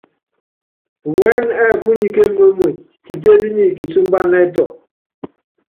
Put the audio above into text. Wɛɛ́nɛ ɛ́ɛ́ púnyi kémuémue, Kitétí nyi kisúmbána ɛtɔ.